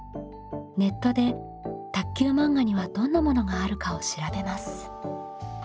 ネットで卓球漫画にはどんなものがあるかを調べます。